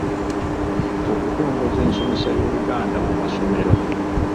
Okutongoza ensomesa y’Oluganda mu masomero